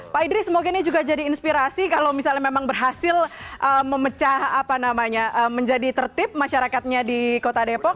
pak idris semoga ini juga jadi inspirasi kalau misalnya memang berhasil memecah apa namanya menjadi tertib masyarakatnya di kota depok